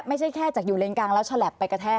ไม่ใช่แค่จากอยู่เลนกลางแล้วฉลับไปกระแทก